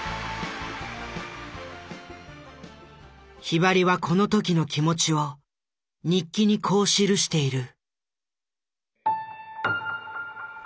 ひばりはこの時の気持ちを日記にこう記している。